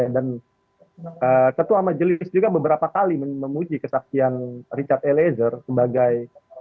dan ketua majelis juga beberapa kali memuji kesaksian richard eliezer sebagai